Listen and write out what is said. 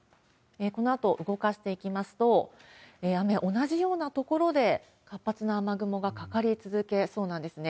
このあと動かしていきますと、雨、同じようなところで活発な雨雲がかかり続けそうなんですね。